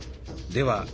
では